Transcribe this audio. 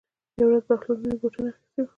یوه ورځ بهلول نوي بوټان اخیستي وو.